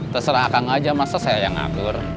terserah kang aja masa saya yang ngatur